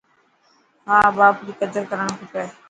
ها باپ ري قدر ڪرڻ کپي.